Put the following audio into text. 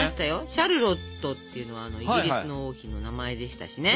シャルロットっていうのはイギリスの王妃の名前でしたしね。